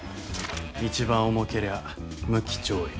一番重けりゃ無期懲役。